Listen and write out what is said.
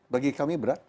bagi kami berat